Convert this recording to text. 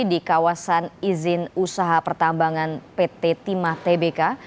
di kawasan izin usaha pertambangan pt timah tbk